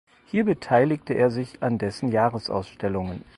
Hier beteiligte er sich an dessen Jahresausstellungen.